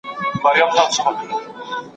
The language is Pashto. که مهارتونه زده کړو ښه دنده به ومومو.